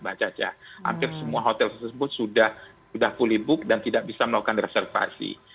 hampir semua hotel tersebut sudah fully booked dan tidak bisa melakukan reservasi